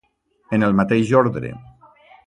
En el mateix ordre.